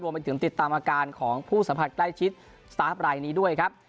ไปถึงติดตามอาการของผู้สัมผัสใกล้ชิดสตาฟรายนี้ด้วยครับ